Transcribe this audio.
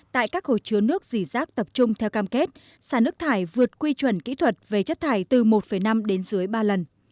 tại các hồ chứa nước dỉ rác tập trung theo cam kết xả nước thải vượt quy chuẩn kỹ thuật về chất thải từ một năm đến dưới ba lần